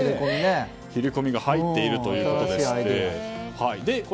切れ込みが入っているということでした。